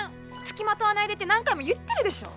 つきまとわないでって何回も言ってるでしょ。